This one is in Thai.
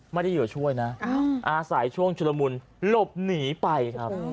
ไม่ได้หยุดช่วยนะอาศัยช่วงชุดมุลหลบหนีไปครับ